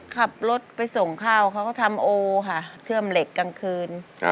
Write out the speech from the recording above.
ขับรถไปส่งข้าวเขาก็ทำโอค่ะเชื่อมเหล็กกลางคืน